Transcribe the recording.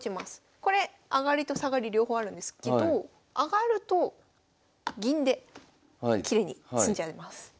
これ上がりと下がり両方あるんですけど上がると銀できれいに詰んじゃいます。